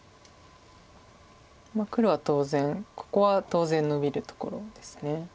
黒は当然ここは当然ノビるところです。